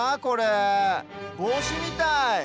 ぼうしみたい。